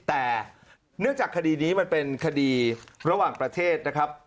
แต่เนื่องจากคดีนี้มันเป็นคดีระหว่างประเทศนะครับ